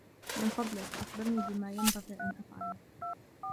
من فضلك ، أخبرني بما ينبغي أن أفعله.